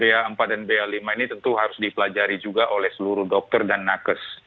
varian b empat dan b lima ini tentu harus dipelajari juga oleh seluruh dokter dan nakas